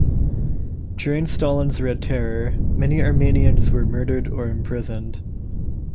During Stalin's Red Terror, many Armenians were murdered or imprisoned.